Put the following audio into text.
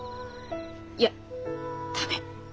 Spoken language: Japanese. いや駄目。